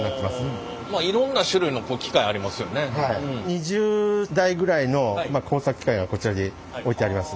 ２０台ぐらいの工作機械がこちらに置いてあります。